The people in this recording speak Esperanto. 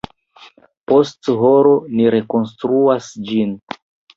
Post horo ni rekonstruas ĝin.